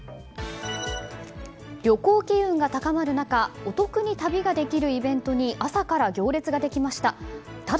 旅行機運が高まる中お得な旅ができるイベントに朝から行列ができました。